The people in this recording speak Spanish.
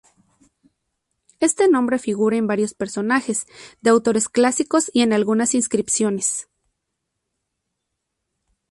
Este nombre figura en varios pasajes de autores clásicos y en algunas inscripciones.